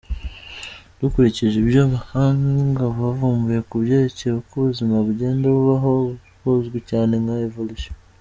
Dukurikije ibyo abahanga bavumbuye kubyerekeye uko ubuzima bugenda bubaho buzwi cyane nka evolution.